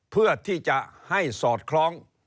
เพื่อที่จะให้สอดคล้อง